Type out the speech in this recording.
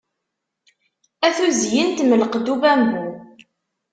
A tuzyint mm lqedd ubambu